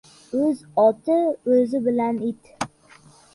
O‘zi oti o‘zi bilan — it!